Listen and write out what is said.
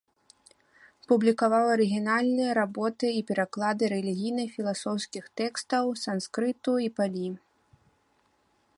Публікаваў арыгінальныя работы і пераклады рэлігійна-філасофскіх тэкстаў з санскрыту і палі.